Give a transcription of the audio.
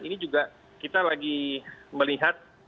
ini juga kita lagi melihat